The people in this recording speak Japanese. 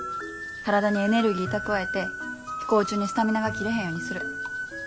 体にエネルギー蓄えて飛行中にスタミナが切れへんようにする。